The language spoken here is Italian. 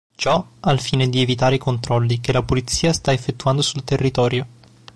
Ciò al fine di evitare i controlli che la polizia sta effettuando sul territorio.